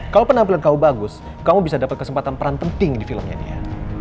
kalau penampilan kamu bagus kamu bisa dapat kesempatan peran penting di filmnya dia